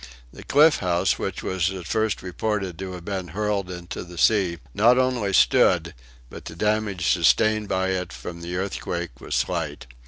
The Cliff House, which was at first reported to have been hurled into the sea, not only stood, but the damage sustained by it from the earthquake was slight.